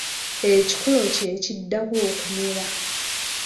Ekikolo kye kiddako okumera.